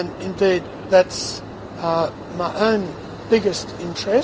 dan itu adalah kepentingan saya sendiri